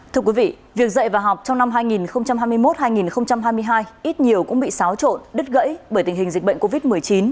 thưa quý vị việc dạy và học trong năm hai nghìn hai mươi một hai nghìn hai mươi hai ít nhiều cũng bị xáo trộn đứt gãy bởi tình hình dịch bệnh covid một mươi chín